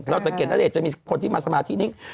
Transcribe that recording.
สังเกตณเดชน์จะมีคนที่มาสมาธินี้